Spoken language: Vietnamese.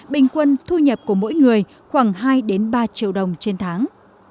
bình quân thu nhập của mỗi người khoảng hai ba triệu đồng trên tháng